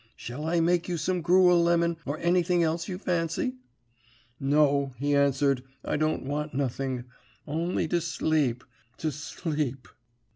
Shall I make you some gruel, Lemon, or anything else you fancy?' "'No,' he answered. 'I don't want nothing only to sleep, to sleep!'